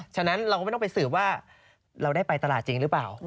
ฉะนั้นเราก็ไม่ต้องไปสืบว่าเราได้ไปตลาดจริงหรือเปล่า